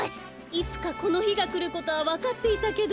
いつかこのひがくることはわかっていたけど。